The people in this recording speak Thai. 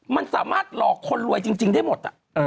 มันสามารถหลอกคนรวยจริงได้หมด